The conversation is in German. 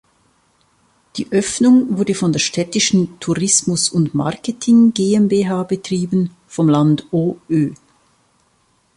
Die Öffnung wurde von der städtischen "Tourismus und Marketing GmbH" betrieben, vom Land OÖ.